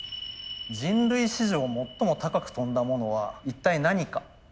人類史上最も高く飛んだものは一体何か。